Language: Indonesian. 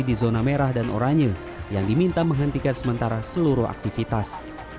di zona merah dan oranye yang diminta menghentikan sementara seluruh aktivitas